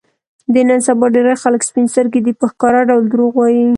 د نن سبا ډېری خلک سپین سترګي دي، په ښکاره ډول دروغ وايي.